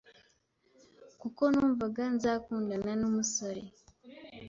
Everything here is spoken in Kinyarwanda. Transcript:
kuko numvaga nzakundana n’ umusore